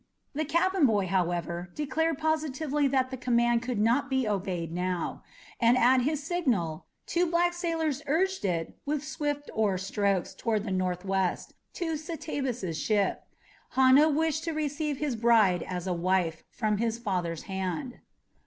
The cabin boy, however, declared positively that the command could not be obeyed now, and at his signal two black sailors urged it with swift oar strokes toward the northwest, to Satabus's ship. Hanno wished to receive his bride as a wife from his father's hand.